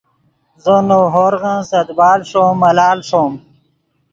زو نؤ ہورغن سے دیبال ݰوم ملال ݰوم